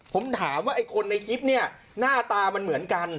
ผมถามว่าไอ้คนในคลิปเนี่ยหน้าตามันเหมือนกัน